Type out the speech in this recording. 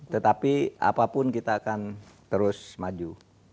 tetapi apapun kita akan terus maju